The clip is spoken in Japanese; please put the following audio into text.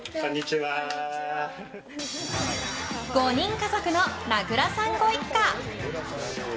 ５人家族の名倉さんご一家。